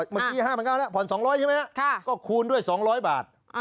เมื่อกี้๕๙๐แล้วผ่อน๒๐๐ใช่ไหมครับก็คูณด้วย๒๐๐บาท